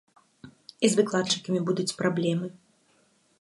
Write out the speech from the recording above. І з выкладчыкамі будуць праблемы.